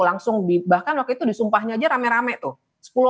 langsung bahkan waktu itu disumpahnya aja rame rame tuh